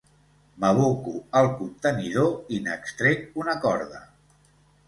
M'aboco al contenidor i n'extrec una corda.